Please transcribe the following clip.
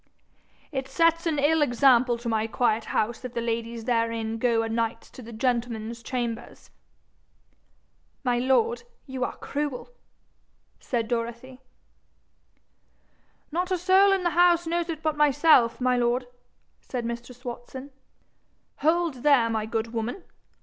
'It sets an ill example to my quiet house if the ladies therein go anights to the gentlemen's chambers.' 'My lord, you are cruel,' said Dorothy. 'Not a soul in the house knows it but myself, my lord,' said mistress Watson. 'Hold there, my good woman!